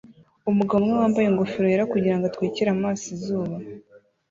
Umugabo umwe wambaye ingofero yera kugirango atwikire amaso izuba